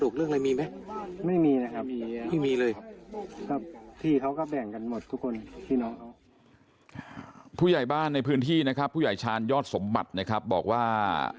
ผู้ใหญ่บ้านในพื้นที่นะครับผู้ใหญ่ชาญยอดสมบัตินะครับบอกว่า